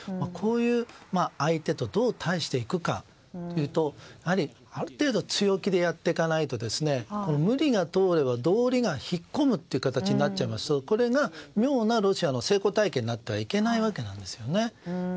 こういう相手とどう対していくかというとやはり、ある程度強気でやっていかないと無理が通れば道理が引っ込むという形になっちゃいますとこれが妙なロシアの成功体験になってはいけないわけなんです。